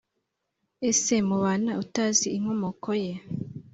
Ese mubana utazi inkomoko ye